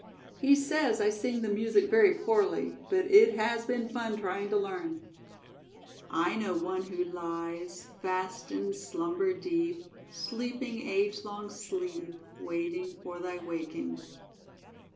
He says I sing the music very poorly, but it has been fun trying to learn. "I know one who lies Fast in slumber deep Sleeping age long sleep, Waiting for thy waking."